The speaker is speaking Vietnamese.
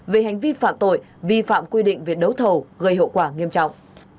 về hành vi phạm tội vi phạm quy định về đấu thầu gây hậu quả nghiêm trọng